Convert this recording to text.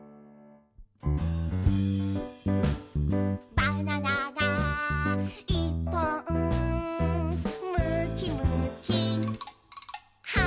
「バナナがいっぽん」「むきむきはんぶんこ！」